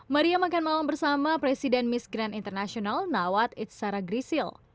maria makan malam bersama presiden miss grand international nawat itzara grisil